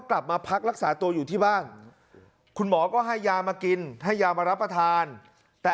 กลับมาพักรักษาตัวอยู่ที่บ้านคุณหมอก็ให้ยามากินให้ยามารับประทานแต่